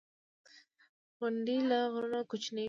• غونډۍ له غرونو کوچنۍ وي.